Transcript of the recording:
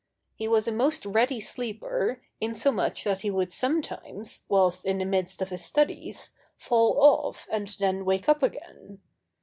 He was a most ready sleeper, insomuch that he would sometimes, whilst in the midst of his studies, fall off and then wake up again.